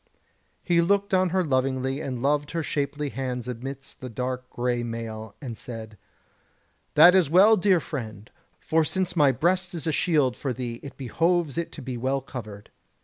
He looked on her lovingly and loved her shapely hands amidst the dark grey mail, and said: "That is well, dear friend, for since my breast is a shield for thee it behoves it to be well covered."